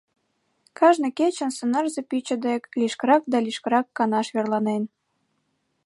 Кажне кечын сонарзе пӱчӧ дек лишкырак да лишкырак канаш верланен.